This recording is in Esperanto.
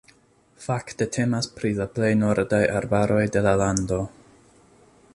Fakte temas pri la plej nordaj arbaroj de la lando.